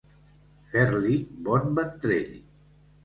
Fer-li bon ventrell.